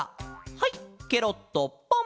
はいケロッとポン！